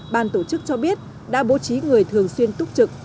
ban tổ chức cho biết đã bố trí người thường xuyên túc trực